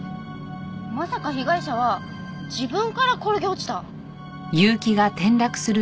まさか被害者は自分から転げ落ちた？